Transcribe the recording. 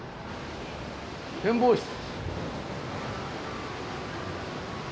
展望室。